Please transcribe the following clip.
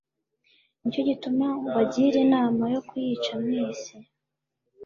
Ni cyo gituma mbagira inama yo kuyica mwese.